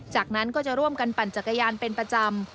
จากนั้นก็จะร่วมกันปั่นจักรยานเป็นประจำ